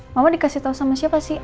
mama dikasih tahu sama siapa sih